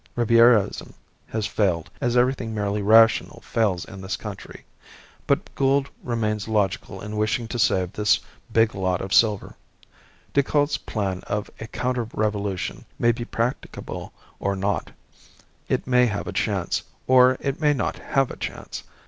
Ribierism has failed, as everything merely rational fails in this country. But Gould remains logical in wishing to save this big lot of silver. Decoud's plan of a counter revolution may be practicable or not, it may have a chance, or it may not have a chance.